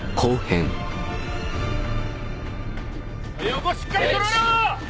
横しっかり揃えろ！